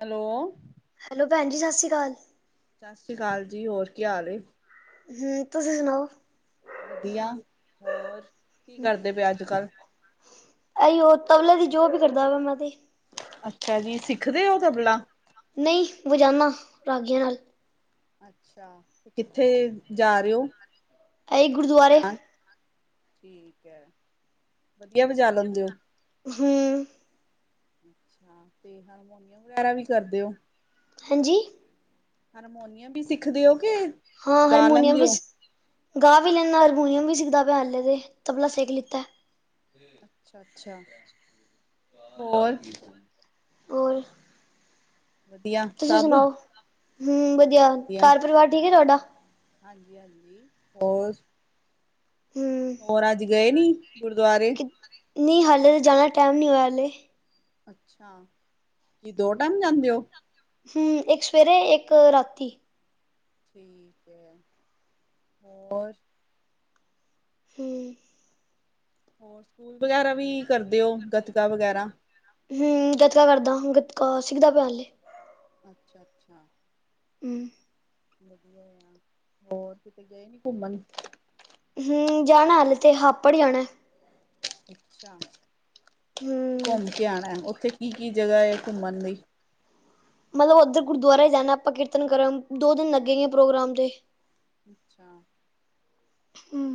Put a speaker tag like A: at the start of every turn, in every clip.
A: Hello.
B: Hello, ਭੈਣ ਜੀ ਸਤਿ ਸ਼੍ਰੀ ਅਕਾਲ।
A: ਸਤਿ ਸ੍ਰੀ ਅਕਾਲ ਜੀ, ਹੋਰ ਕੀ ਹਾਲ ਏ?
B: ਹੂੰ, ਤੁਸੀ ਸੁਣਾਓ?
A: ਵਧੀਆ, ਹੋਰ ਕੀ ਕਰਦੇ ਪੇ ਅੱਜ-ਕੱਲ?
B: ਅਈ ਓ ਤਬਲੇ ਦੀ ਜੋਬ ਈ ਕਰਦਾ ਵਾ ਮੈਂ ਤੇ।
A: ਅੱਛਾ ਜੀ, ਸਿੱਖਦੇ ਓ ਤਬਲਾ?
B: ਨਈ ਵਜਾਨਾ, ਰਾਗੀਆਂ ਨਾਲ।
A: ਅੱਛਾ, ਤੇ ਕਿੱਥੇ ਜਾ ਰੇ ਓ?
B: ਆਈ ਗੁਰਦੁਆਰੇ
A: ਬਜਾਰ, ਠੀਕ ਐ। ਵਧੀਆ ਵਜਾ ਲੈਂਦੇ ਓ?
B: ਹੂੰ।
A: ਅੱਛਾ, ਤੇ ਹਾਰਮੋਨੀਅਮ ਵਗੈਰਾ ਵੀ ਕਰਦੇ ਓ?
B: ਹਾਂਜੀ।
A: ਹਰਮੋਨੀਅਮ ਵੀ ਸਿੱਖਦੇ ਓ ਕੇ?
B: ਹਾਂ ਹਾਰਮੋਨੀਅਮ ਵੀ ਸਿ, ਗਾ ਵੀ ਲੈਨਾ ਹਰਮੋਨੀਅਮ ਵੀ ਸਿੱਖਦਾ ਪੇਆ ਹਲੇ ਤੇ, ਤਬਲਾ ਸਿਖ ਲਿੱਤਾ।
A: ਅੱਛਾ ਅੱਛਾ, ਹੋਰ?
B: ਹੋਰ।
A: ਵਧੀਆ
B: ਤੁਸੀਂ
A: ਸਭ
B: ਸੁਣਾਓ ਹੂੰ ਵਧੀਆ
A: ਵਧੀਆ-ਵਧੀਆ।
B: ਘਰ ਪਰਿਵਾਰ ਠੀਕ ਹੈ ਤੁਹਾਡਾ
A: ਹਾਂਜੀ-ਹਾਂਜੀ, ਹੋਰ?
B: ਹੂੰ
A: ਹੋਰ ਅੱਜ ਗਏ ਨੀ ਗੁਰਦੁਆਰੇ?
B: ਨਈ ਹਾਲੇ ਤੇ ਜਾਨੈ ਟਾਈਮ ਨੀ ਹੋਏਆ ਹਾਲੇ।
A: ਅੱਛਾ, ਕੀ ਦੋ ਟੈਮ ਜਾਂਦੇ ਓ?
B: ਹੂੰ, ਏਕ ਸਵੇਰੇ ਏਕ ਰਾਤੀ।
A: ਠੀਕ ਐ, ਹੋਰ?
B: ਹੂੰ।
A: ਹੋਰ ਸਕੂਲ ਵਗੈਰਾ ਵੀ ਕਰਦੇ ਓ ਗਤਕਾ ਵਗੈਰਾ?
B: ਹੂੰ ਗੱਤਕਾ ਕਰਦਾਂ। ਗੱਤਕਾ ਸਿੱਖਦਾ ਪੇਆ ਹਾਲੇ,
A: ਅੱਛਾ-ਅੱਛਾ।
B: ਹੂੰ।
A: ਵਧੀਆ ਆ, ਹੋਰ ਕਿਤੇ ਗਏ ਨੀ ਘੁੰਮਨ?
B: ਹੂੰ। ਜਾਣਾ ਹਾਲੇ ਤੇ ਹਾਪੜ ਜਾਣੈ।
A: ਅੱਛਾ,
B: ਹੂੰ
A: ਘੁੰਮ ਕੇ ਆਣਾ ਐ। ਓਥੇ ਕੀ ਕੀ ਜਗਾ ਐ ਘੁੰਮਣ ਲਈ?
B: ਮਤਲਬ ਓਧਰ ਗੁਰਦੁਆਰੇ ਜਾਨਾ ਐ ਆਪਾਂ ਕੀਰਤਨ ਕਰਨ। ਦੋ ਦਿਨ ਲੱਗੇਂਗੇ ਪ੍ਰੋਗਰਾਮ ਦੇ।
A: ਅੱਛਾ।
B: ਹੂੰ।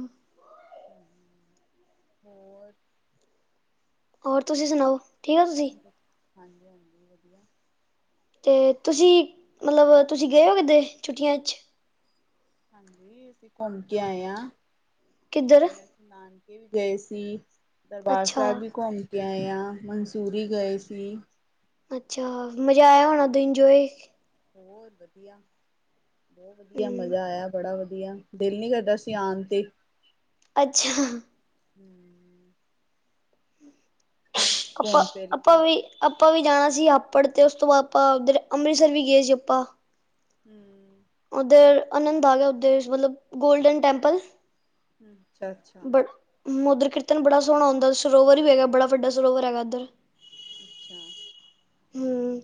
A: ਹੋਰ।
B: ਹੋਰ ਤੁਸੀ ਸੁਨਾਓ, ਠੀਕ ਓ ਤੁਸੀ?
A: ਹਾਂਜੀ ਹਾਂਜੀ ਵਧੀਆ।
B: ਤੇ ਤੁਸੀ ਮਲਬ ਤੁਸੀ ਗਏ ਓ ਕਿਦੇ ਛੁੱਟੀਆਂ ਚ?
A: ਹਾਂਜੀ, ਅਸੀਂ ਘੁੰਮ ਕੇ ਆਏ ਆਂ
B: ਕਿੱਧਰ
A: ਛੁੱਟੀਆਂ ਨਾਨਕੇ ਵੀ ਗਏ ਸੀ। ਦਰਬਾਰ
B: ਅੱਛਾ
A: ਸਾਹਿਬ ਵੀ ਘੁੰਮ ਕੇ ਆਏ ਆਂ। ਮਨਸੂਰੀ ਗਏ ਸੀ।
B: ਅੱਛਾ, ਮਜ਼ਾ ਆਇਆ ਹੋਣਾ
A: ਹਾਂ,
B: ਤਹੀ ਇੰਜੋਏ
A: ਹੋਰ ਵਧੀਆ, ਬਹੁਤ ਵਧੀਆ
B: ਹੂੰ
A: ਮਜ਼ਾ ਆਇਆ ਬੜਾ ਵਧੀਆ ਦਿਲ ਨ ਕਰਦਾ ਸੀ ਆਣ ਤੇ
B: ਅੱਛਾ
A: ਹਮ
B: ਆਪਾਂ,
A: ਘੁੰਮ ਫਿਰ
B: ਆਪਾਂ
A: ਕੇ
B: ਵੀ ਆਪਾਂ ਵੀ ਜਾਣਾ ਸੀ ਆਪੜ ਅਤੇ ਉਸ ਤੋਂ ਬਾਅਦ ਆਪਾਂ ਉੱਧਰ ਅੰਮ੍ਰਿਤਸਰ ਵੀ ਗਏ ਸੀ ਆਪਾਂ
A: ਹਮ
B: ਉੱਧਰ ਅਨੰਦਬਾਗ ਉਧਰ ਮਤਲਬ ਗੋਲਡਨ ਟੈਂਪਲ
A: ਅੱਛਾ, ਅੱਛਾ
B: ਉਧਰ ਕੀਰਤਨ ਬੜਾ ਸੋਹਣਾ ਹੁੰਦਾ, ਸਰੋਵਰ ਵੀ ਹੈਗਾ ਬੜਾ ਵੱਡਾ ਸਰੋਵਰ ਹੈਗਾ ਇੱਧਰ
A: ਅੱਛਾ
B: ਹਮ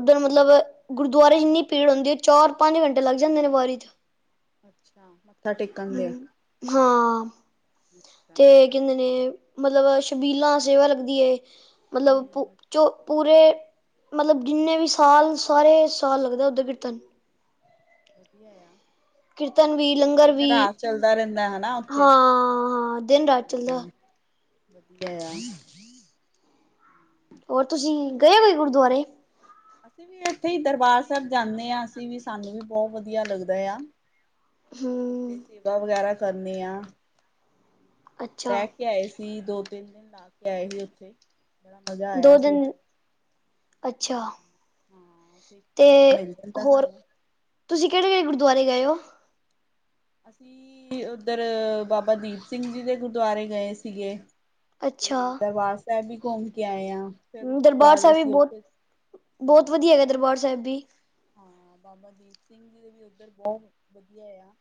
B: ਉੱਧਰ ਮਤਲਬ ਗੁਰਦੁਆਰੇ ਚ ਇੰਨੀ ਭੀੜ ਹੁੰਦੀ ਐ, ਚਾਰ- ਪੰਜ ਘੰਟੇ ਲੱਗ ਜਾਂਦੇ ਨੇ ਵਾਰੀ ਚੇ
A: ਅੱਛਾ ਟੇਕਣ ਦੇ
B: ਹਮ, ਹਾਂ,
A: ਅੱਛਾ
B: ਤੇ
A: ਅੱਛਾ
B: ਕਹਦੇ ਨੇ ਮਤਲਬ ਸ਼ਬੀਲਾਂ ਸੇਵਾ ਲੱਗਦੀ ਐ ਮਤਲਬ
A: ਹੂੰ
B: ਚ ਪੂਰੇ ਮਤਲਬ ਜਿੰਨੇ ਵੀ ਸਾਲ ਸਾਰੇ ਸਾਲ ਲੱਗਦਾ ਉੱਧਰ ਕੀਰਤਨ
A: ਵਧੀਆ ਆ
B: ਕੀਰਤਨ ਵੀ ਲੰਗਰ
A: ਤੇ
B: ਵੀ,
A: ਨਰਾਸ ਚੱਲਦਾ ਰਹਿੰਦਾ ਹਨਾ ਉੱਥੇ
B: ਹਾਂ ਦਿਨ -ਰਾਤ ਚੱਲਦਾ [inaudible]
A: ਵਧੀਆ ਆ
B: ਹੋਰ ਤੁਸੀਂ ਗਏ ਕੋਈ ਗੁਰਦੁਆਰੇ
A: ਅਸੀਂ ਵੀ ਇੱਥੇ ਈ ਦਰਬਾਰ ਸਾਹਿਬ ਜਾਂਨੇ ਆ, ਅਸੀਂ ਵੀ, ਸਾਨੂੰ ਵੀ ਬਹੁਤ ਵਧੀਆ ਲੱਗਦਾ ਆ।
B: ਹਮ
A: ਤੇ ਸੇਵਾ ਵਗੈਰਾ ਕਰਨੇ ਆ।
B: ਅੱਛਾ
A: ਕਘੁੰਮ ਕੇ ਆਏ ਸੀ, ਦੋ -ਤਿੰਨ ਦਿਨ ਲਾ ਕੇ ਆਏ ਸੀ ਉੱਥੇ ਬੜਾ ਮਜ਼ਾ
B: ਦੋ
A: ਆਇਆ ਸੀ
B: ਦਿਨ
A: ਉੱਧਰ
B: ਅੱਛਾ
A: ਹਾਂ ਉੱਥੇ ਇੱਕ
B: ਤੇ
A: ਕਮਰਾ ਮਿਲ ਜਾਂਦਾ
B: ਹੋਰ
A: ਸਾਨੂੰ
B: ਤੁਸੀਂ ਕਿਹੜੇ- ਕਿਹੜ ਗੁਰਦੁਆਰੇ ਗਏ ਹੋ
A: ਅਸੀਂ ਉੱਧਰ ਬਾਬਾ ਦੀਪ ਸਿੰਘ ਜੀ ਦੇ ਗੁਰਦੁਆਰੇ ਗਏ ਸੀਗੇ।
B: ਅੱਛਾ
A: ਤੇ ਦਰਬਾਰ ਸਾਹਿਬ ਵੀ ਘੁੰਮ ਕੇ ਆਏ ਆ। ਫਿਰ ਉਸ ਤੋਂ
B: ਦਰਬਾਰ
A: ਬਾਅਦ ਅਸੀਂ ਉੱਥੇ ਹਾਂ
B: ਕੀ ਹੈਗਾ ਦਰਬਾਰ ਸਾਹਿਬ ਵੀ
A: ਹਾਂ ਬਾਬਾ ਦੀਪ ਸਿੰਘ ਜੀ ਦੇ ਵੀ ਉੱਧਰ ਬਹੁਤ ਵਧੀਆ ਆ।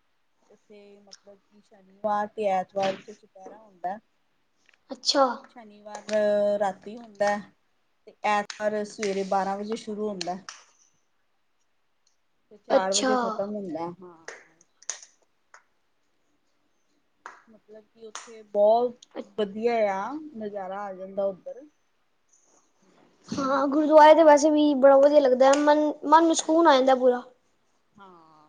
A: ਉੱਥੇ ਮਤਲਬ ਕਿ ਸ਼ਨੀਵਾਰ ਤੇ ਐਤਵਾਰ ਵਿੱਚ ਚੁਪਹਿਰਾ ਹੁੰਦਾ।
B: ਅੱਛਾ
A: ਸ਼ਨੀਵਾਰ ਰਾਤੀ ਹੁੰਦਾ। ਅਤੇ ਐਤਵਾਰ ਸਵੇਰੇ ਬਾਰ੍ਹਾਂ ਵਜੇ ਸ਼ੁਰੂ ਹੁੰਦਾ। ਤੇ ਚਾਰ
B: ਅੱਛਾ
A: ਵਜੇ ਖਤਮ ਹੁੰਦਾ ਹਾ। ਮਤਲਬ ਕਿ ਉੱਥੇ ਬਹੁਤ ਵਧੀਆ ਆ, ਨਜ਼ਾਰਾ ਆ ਜਾਂਦਾ ਉੱਧਰ।
B: ਹਾਂ, ਗੁਰਦੁਆਰੇ ਤਾਂ ਵੈਸੇ ਵੀ ਬੜਾ ਵਧੀਆ ਲੱਗਦਾ, ਮਨ, ਮਨ ਨੂੰ ਸਕੂਨ ਆ ਜਾਂਦਾ ਪੂਰਾ।
A: ਹਾਂ।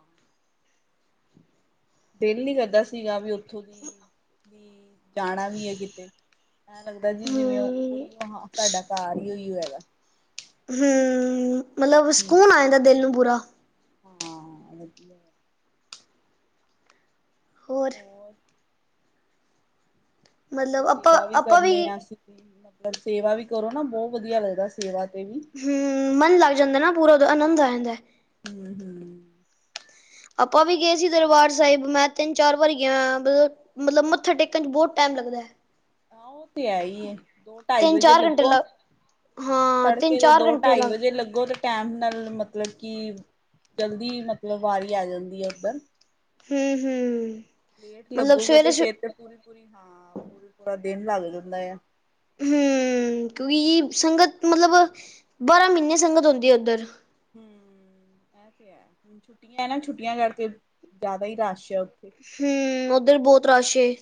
A: ਦਿਲ ਨਹੀਂ ਕਰਦਾ ਸੀਗਾ ਵੀ ਉੱਥੋਂ ਵੀ ਜਾਣਾ ਵੀ ਐ ਕਿਤੇ ਐ ਲੱਗਦਾ ਕਿ ਜਿਵੇਂ
B: ਹਮ
A: ਉਹੀ ਸਾਡਾ ਘਰ ਈ ਉਹੀ ਹੈਗਾ।
B: ਹਮ, ਮਤਲਬ ਸਕੂਨ ਆ ਜਾਂਦਾ ਦਿਲ ਨੂੰ ਪੂਰਾ।
A: ਹਾਂ ਵਧੀਆ। ਹੋਰ
B: ਮਤਲਬ ਆਪਾਂ
A: ਸੇਵਾ ਵੀ
B: ਆਪਾਂ
A: ਕਰਨੇ ਆ ਅਸੀਂ, ਮਤਲਬ ਸੇਵਾ ਵੀ ਕਰੋ ਨਾ ਬੋ ਵਧੀਆ ਲੱਗਦਾ ਸੇਵਾ ਤੇ ਵੀ।
B: ਹੂੰ ਮਨ ਲੱਗ ਜਾਂਦਾ ਨਾ ਪੂਰਾ ਆਨੰਦ ਆ ਜਾਂਦਾ।
A: ਹੂੰ-ਹੂੰ।
B: ਆਪਾਂ ਵੀ ਗਏ ਸੀ ਦਰਬਾਰ ਸਾਹਿਬ, ਮੈਂ ਤਿੰਨ-ਚਾਰ ਵਾਰੀ ਗਿਆ ਹੋਆ। ਮਤਲਬ ਮੱਥਾ ਟੇਕਣ ਚ ਬੋਤ ਟੈਮ ਲੱਗਦੈ।
A: ਆ ਓ ਤੇ ਹੈ ਹੀ ਏ। ਦੋ-ਢਾਈ
B: ਤਿੰਨ
A: ਵਜੇ
B: ਚਾਰ ਘੰਟੇ
A: ਲੱਗੋ
B: ਲੱਗ
A: ਹਾਂ,
B: ਤਿੰਨ
A: ਤੜਕੇ ਦੇ
B: ਚਾਰ ਘੰਟੇ
A: ਦੋ-ਢਾਈ
B: ਲੱਗ
A: ਵਜੇ ਲੱਗੋ ਤੇ ਟੈਮ ਨਾਲ ਮਤਲਬ ਕਿ ਜਲਦੀ ਮਤਲਬ ਵਾਰੀ ਆ ਜਾਂਦੀ ਐ ਉੱਧਰ।
B: ਹੂੰ-ਹੂੰ।
A: ਲੇਟ ਲੱਗੋਗੇ ਤੇ ਫੇਰ ਤੇ ਪੂਰੀ-ਪੂਰੀ, ਹਾਂ, ਪੂਰਾ-ਪੂਰਾ ਦਿਨ ਲੱਗ ਜਾਂਦਾ ਆ।
B: ਹੂੰ ਕਿਉਂਕਿ ਸੰਗਤ, ਮਤਲਬ ਬਾਰਾਂ ਮਹੀਨੇ ਸੰਗਤ ਹੂੰਦੀ ਐ ਉੱਧਰ।
A: ਹੂੰ, ਐ ਤੇ ਐ ਹੂਨ ਛੁੱਟੀਆਂ ਨਾ ਛੁੱਟੀਆਂ ਕਰਕੇ ਜਾਦਾ ਹੀ ਰਸ਼ ਐ ਉੱਥੇ।
B: ਹੂੰ, ਉੱਧਰ ਬਤੌ ਰਸ਼ ਏ।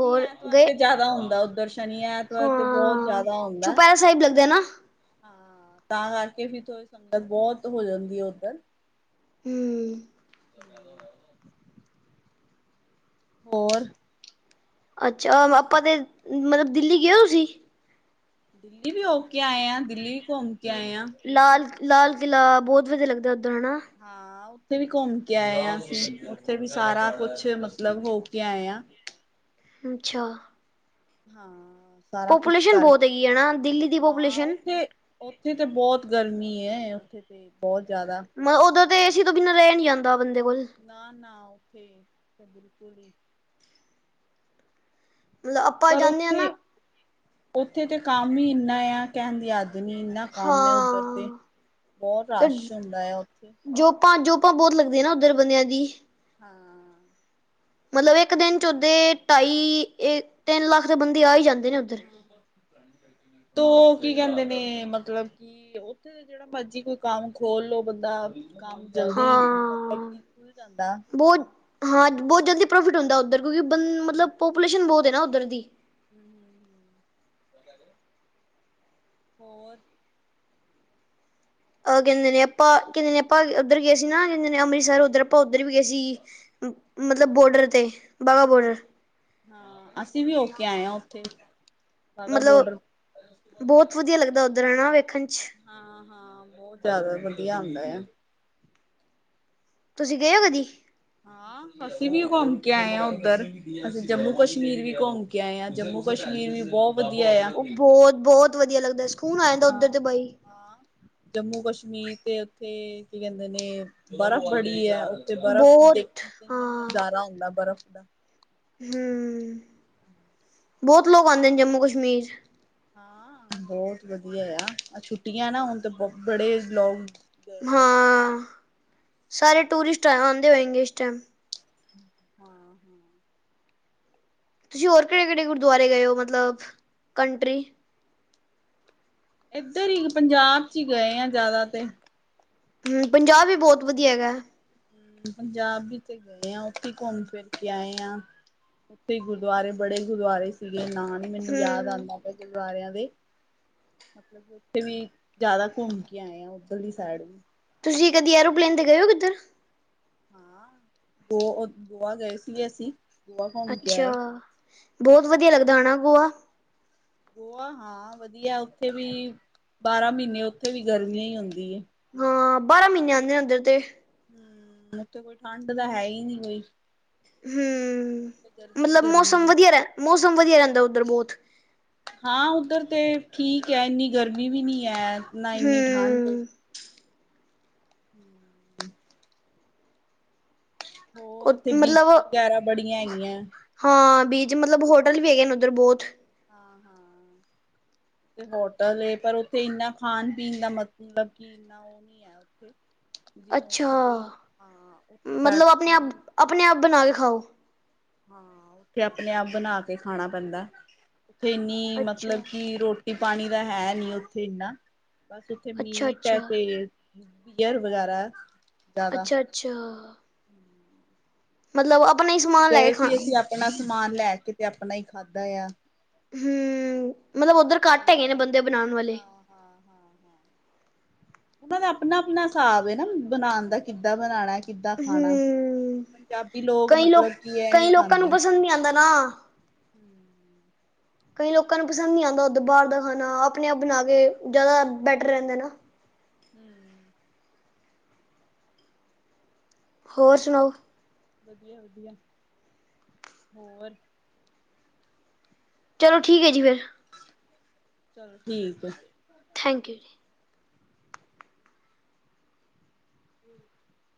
B: ਔਰ ਗਏ
A: ਤੇ ਜਾਦਾ ਹੁੰਦਾ ਉੱਧਰ ਸ਼ਨੀ-ਐਤ ਐ ਤੇ ਬੋਤ
B: ਹਾਂ
A: ਜਾਦਾ ਹੁੰਦਾ।
B: ਚੁਪਹਿਰਾ ਸਾਹਿਬ ਲੱਗਦਾ ਨਾ
A: ਹਾਂ, ਤਾਂ ਕਰਕੇ ਫੇਰ ਥੋੜੀ ਸੰਗਤ ਬੋਤ ਹੋ ਜਾਂਦੀ ਏ ਉੱਧਰ।
B: ਹੂੰ।
A: [unintelligible] ਹੋਰ।
B: ਅੱਛਾ, ਆਪਾਂ ਤੇ ਮਲਬ ਦਿੱਲੀ ਗਏ ਹੋ ਤੁਸੀਂ।
A: ਦਿੱਲੀ ਵੀ ਹੋ ਕੇ ਆਏ ਆ, ਦਿੱਲੀ ਵੀ ਘੁੰਮ ਕੇ ਆਏ ਆ।
B: ਲਾਲ-ਲਾਲ ਕਿਲ੍ਹਾ ਬੋਹਤ ਵਧੀਆ ਲੱਗਦਾ ਉੱਧਰ ਹੈਨਾ।
A: ਹਾਂ, ਉੱਥੇ ਵੀ ਘੁੰਮ ਕੇ ਆਏ ਆ ਅਸੀਂ ਉੱਥੇ ਵੀ ਸਾਰਾ ਕੁਛ ਮਤਲਬ ਹੋ ਕੇ ਆਏ ਆ।
B: ਅੱਛਾ।
A: ਹਾਂ, ਸਾਰਾ ਕੁਛ
B: ਪੋਪੂਲੇਸ਼ਨ
A: ਕਰ
B: ਬਹੁਤ ਹੈਗੀ ਹੈ ਨਾ ਦਿੱਲੀ ਦੀ
A: ਹਾਂ
B: ਪੋਪੂਲੇਸ਼ਨ
A: ਉੱਥੇ ਉੱਥੇ ਤੇ ਬੋਤ ਗਰਮੀ ਏ ਉੱਥੇ ਤੇ ਬੋਤ ਜਾਦਾ।
B: ਮ ਓਦੋਂ ਤੇ ਏਸੀ ਤੋਂ ਬਿਨਾ ਰਹਿ ਨੀ ਜਾਂਦਾ ਬੰਦੇ ਕੋਲ।
A: ਨਾ-ਨਾ, ਉੱਥੇ ਤਾ ਬਿਲਕੁਲ ਈ
B: ਮਤਲਬ ਆਪਾਂ
A: ਪਰ
B: ਜਾਂਦੇ ਹਾਂ
A: ਉੱਥੇ,
B: ਨਾ
A: ਉੱਥੇ ਤੇ ਕੰਮ ਹੀ ਇੰਨਾ ਆ, ਕਹਿਣ ਦੀ ਹੱਦ ਨੀ। ਇਨਾ ਕੰਮ ਏ ਉੱਧਰ ਤੇ,
B: ਹਾਂ
A: ਬੋਤ ਰਸ਼ ਹੁੰਦਾ ਆ ਉੱਥੇ।
B: ਜੋਪਾਂ-ਜੋਪਾਂ ਬੋਤ ਲੱਗਦੀਆਂ ਨਾ ਉੱਧਰ ਬੰਦਿਆਂ ਦੀ।
A: ਹਾਂ।
B: ਮਤਲਬ, ਇੱਕ ਦਿਨ ਚ ਉਦੇ ਢਾਈ-ਤਿੰਨ ਲੱਖ ਤੇ ਬੰਦੇ ਆ ਹੀ ਜਾਂਦੇ ਨੇ। ਉੱਧਰ
A: ਤੋ ਕੀ ਕਹਿੰਦੇ ਨੇ, ਮਤਲਬ ਕਿ ਉੱਥੇ ਜੇੜਾ ਮਰਜੀ ਕੋਈ ਕੰਮ ਖੋਲ੍ਹ ਲੋ ਬੰਦਾ ਕੰਮ ਜਲਦੀ ਮਤਲਬ
B: ਹਾਂ,
A: ਕਿ ਖੁੱਲ ਜਾਂਦਾ।
B: ਬੋਤ ਹਾਂ, ਬੋਤ ਜਲਦੀ ਪ੍ਰੋਫਿਟ ਹੁੰਦਾ ਓਧਰ, ਕਿਉਂਕਿ ਬੰ ਮਤਲਬ ਪਾਪੂਲੇਸ਼ਨ ਬੋਤ ਏ ਨਾ ਉੱਧਰ ਦੀ।
A: ਹੂੰ-ਹੂੰ, ਹੂੰ। ਹੋਰ
B: ਅਹ ਕਹਿੰਦੇ ਨੇ ਆਪਾਂ, ਕਹਿੰਦੇ ਨੇ ਆਪਾਂ, ਉੱਧਰ ਗਏ ਸੀ ਨਾ ਕਿ ਕਹਿੰਦੇ ਨੇ ਅੰਮ੍ਰਿਤਸਰ ਉੱਧਰ ਆਪਾਂ ਉੱਧਰ ਵੀ ਗਏ ਸੀ ਮਤਲਬ ਬੋਡਰ ਤੇ, ਬਾਗਾ-ਬੋਡਰ।
A: ਹਾਂ ਅਸੀਂ ਵੀ ਹੋਕੇ ਆਏ ਹਾਂ ਉੱਥੇ। ਵਾਹਗਾ
B: ਮਤਲਬ,
A: ਬੋਡਰ
B: ਬੋਹਤ ਵਧੀਆ ਲੱਗਦਾ ਉਧਰ ਹਣਾ ਵੇਖਣ ਚ।
A: ਹਾਂ-ਹਾਂ ਬੋ ਜਿਆਦਾ ਵਧੀਆ ਆਂਦਾ ਆ।
B: ਤੁਸੀਂ ਗੇ ਓ ਕਦੀ?
A: ਹਾਂ। ਅਸੀਂ ਵੀ ਘੁੰਮ ਕੇ ਆਏ ਆ ਉੱਧਰ, ਅਸੀਂ ਜੰਮੂ ਕਸ਼ਮੀਰ ਵੀ ਘੁੰਮ ਕੇ ਆਏ ਆ, ਜੰਮੂ ਕਸ਼ਮੀਰ ਵੀ ਬੋ ਵਧੀਆ ਆ।
B: ਬੋਹਤ ਵਧੀਆ ਲੱਗਦਾ ਐ।
A: ਹਾਂ-ਹਾਂ। ਹਾਂ ਜੰਮੂ ਕਸ਼ਮੀਰ 'ਤੇ ਉੱਥੇ ਕੀ ਕੈਂਦੇ ਨੇ ਬਰਫ਼ ਬੜੀ ਐ ਤੇ ਬਰਫ਼ ਦੇ
B: ਬਹੁਤ
A: ਨਜ਼ਾਰਾ ਆਉਂਦਾ ਬਰਫ਼ ਦਾ।
B: ਹੂੰ, ਬੋਤ ਲੋਕ ਆਂਦੇ ਨੇ ਜੰਮੂ ਕਸ਼ਮੀਰ।
A: ਹਾਂ ਬੋਤ ਵਧੀਆ ਏਆ, ਆ ਛੁੱਟੀਆਂ ਨਾ ਹੁਣ 'ਤੇ ਬੜੇ ਲੋ
B: ਹਾਂ, ਸਾਰੇ ਟੂਰਿਸਟ ਆਂਦੇ ਹੋਏਗੇ ਇਸ ਟਾਈਮ।
A: ਹਾਂ-ਹਾਂ।
B: ਤੁਸੀਂ ਹੋਰ ਕਿਹੜੇ-ਕਿਹੜੇ ਗੁਰਦੁਆਰੇ ਗਏ ਓ ਮਤਲਬ ਕੰਨਟਰੀ?
A: ਏਧਰ ਈ ਪੰਜਾਬ 'ਚ ਈ ਗਏ ਆ ਜਿਆਦਾ 'ਤੇ।
B: ਹੂੰ ਪੰਜਾਬ ਵੀ ਬੋਤ ਵਧੀਆ ਹੈਗਾ।
A: ਪੰਜਾਬ ਵਿੱਚ ਗਏ ਆ ਉੱਥੀ ਘੁੰਮ ਫਿਰ ਕੇ ਆਏ ਆ। ਉੱਥੇ ਈ ਗੁਰਦੁਆਰੇ, ਬੜੇ ਗੁਰਦੁਆਰੇ ਸੀਗੇ ਨਾਂ ਨੀ ਮੈਨੂੰ ਯਾਦ
B: ਹਮ
A: ਆਂਦਾ ਪਿਆ ਗੁਰਦੁਵਾਰਿਆਂ ਦੇ। ਮਤਲਬ ਉੱਥੇ ਵੀ ਜਿਆਦਾ ਘੁੰਮ ਕੇ ਆਏ ਆ ਉੱਧਰਲੀ ਸਾਈਡ ਵੀ।
B: ਤੁਸੀਂ ਕਦੀ ਐਰੋਪਲੇਨ 'ਤੇ ਗਏ ਓ ਕਿੱਧਰ?
A: ਹਾਂ ਗੋ ਓ ਗੋਆ ਗਏ ਸੀਗੇ ਅਸੀਂ। ਗੋਆ ਘੁੰਮ ਕੇ
B: ਅੱਛਾ,
A: ਆਏ
B: ਬੋਤ
A: ਹਾਂ
B: ਵਧੀਆ ਲੱਗਦਾ ਹੋਣਾ ਗੋਆ?
A: ਗੋਆ ਹਾਂ ਵਧੀਆ ਉੱਥੇ ਵੀ ਬਾਰਾਂ ਮ੍ਹੀਨੇ ਉੱਥੇ ਵੀ ਗਰਮੀ ਈ ਹੁੰਦੀ ਏ।
B: ਹਾਂ ਬਾਰਾਂ ਮ੍ਹੀਨੇ ਆਂਦੇ ਨੇ ਉਧਰ 'ਤੇ।
A: ਹੂੰ ਉੱਥੇ ਕੋਈ ਠੰਡ ਦਾ ਹੈ ਈ ਨੀ ਕੋਈ।
B: ਹੂੰ,
A: ਉੱਥੇ ਗਰਮੀ ਹੀ
B: ਮਤਲਬ ਮੌਸਮ
A: ਗਰਮੀ
B: ਵਧੀਆ ਰੈ, ਮੌਸਮ ਵਧੀਆ ਰੈਂਦਾ ਉੱਧਰ ਬੋਤ।
A: ਹਾਂ ਉੱਧਰ 'ਤੇ ਠੀਕ ਐ ਐਨੀ ਗਰਮੀ ਵੀ ਨੀ ਐ, ਨਾ ਐਨੀ ਠੰਡ ਏ।
B: ਹੂੰ।
A: ਹੂੰ। ਹੋਰ ਉੱਥੇ
B: ਮਤਲਬ
A: ਬੀਚ ਵਗੈਰਾ ਬੜੀਆਂ ਹੈਗੀ ਐ।
B: ਹਾਂ ਬੀਚ ਮਤਲਬ ਹੋਟਲ ਵੀ ਹੈਗੇ ਨੇ ਉੱਧਰ ਬੋਤ।
A: ਹਾਂ-ਹਾਂ। ਹੋਟਲ ਏ ਪਰ ਉੱਥੇ ਇੰਨਾ ਖਾਣ ਪੀਣ ਦਾ ਮਤਲਬ ਕਿ ਇੰਨਾ ਓ ਨੀ ਐ ਉੱਥੇ ਜਿਵੇਂ
B: ਅੱਛਾ।
A: ਉੱਥੇ ਕੋਈ ਆ ਉੱਥੇ
B: ਮਤਲਬ
A: ਬੈਠ
B: ਆਪਣੇ ਆਪ ਆਪਣੇ ਆਪ ਬਣਾ ਕੇ ਖਾਓ।
A: ਹਾਂ ਉੱਥੇ ਆਪਣੇ ਆਪ ਬਣਾ ਕੇ ਖਾਣਾ ਪੈਂਦਾ ਐ, ਉੱਥੇ ਇੰਨੀ
B: ਅੱਛਾ।
A: ਮਤਲਬ ਕਿ ਰੋ ਟੀ ਪਾਣੀ ਦਾ ਹੈ ਨੀ ਉੱਥੇ ਇੰਨਾ, ਬਸ ਉੱਥੇ
B: ਅੱਛਾ
A: ਮੀਟ ਐ
B: ਅੱਛਾ।
A: ਤੇ ਬੀਅਰ ਵਗੈਰਾ। ਜ਼ਿਆਦਾ।
B: ਅੱਛਾ-ਅੱਛਾ। ਮਤਲਬ ਆਪਣੇ ਈ ਸ
A: ਗਏ ਸੀ ਅਸੀਂ ਆਪਣਾ ਸਮਾਨ ਲੈ ਕੇ 'ਤੇ ਆਪਣਾ ਈ ਖਾਧਾ ਏ ਆ।
B: ਹੂੰ ਮਤਲਬ ਉੱਧਰ
A: ਆਟਾ
B: ਘੱਟ ਹੈਗੇ ਨੇ
A: ਵਗੈਰਾ
B: ਬੰਦੇ ਬਣਾਣ ਵਾਲੇ।
A: ਹਾਂ ਉਨਾਂ ਦਾ ਆਪਣਾ-ਆਪਣਾ ਹਿਸਾਬ ਏ ਨਾ ਬਣਾਣ ਦਾ ਕਿੱਦਾਂ ਬਣਾਣਾ ਐ ਕਿੱਦਾਂ ਖਾਣਾ,
B: ਹੂੰ,
A: ਪੰਜਾਬੀ ਲੋਕ
B: ਕਈ
A: ਮਤਲਬ ਕੀ ਐ ਨੀ
B: ਕਈ ਲੋਕਾਂ ਨੂੰ
A: ਖਾਂਦੇ।
B: ਪਸੰਦ ਨਹੀਂ ਆਂਦਾ ਨਾ। ਕਈ ਲੋਕਾਂ ਨੂੰ ਪਸੰਦ ਨੀ ਆਂਦਾ ਉੱਧਰ ਬਾਰ ਦਾ ਖਾਣਾ ਆਪਣੇ ਆਪ ਬਣਾ ਕੇ ਜਿਆਦਾ ਬੈਟਰ ਰੈਂਦਾ ਨਾ।
A: ਹੂੰ।
B: ਹੋਰ ਸੁਨਾਓ?
A: ਵਧੀਆ ਵਧੀਆ ਹੋਰ?
B: ਚਲੋ, ਠੀਕ ਏ ਜੀ ਫੇਰ।
A: ਚਲੋ ਠੀਕ ਐ।
B: ਥੈਂਕ ਯੂ ਜੀ
A: [unintelligible]